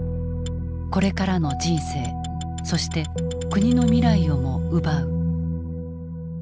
これからの人生そして国の未来をも奪う。